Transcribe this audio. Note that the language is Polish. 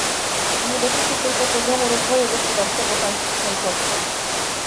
To nie dotyczy tylko poziomu rozwoju gospodarczego państw członkowskich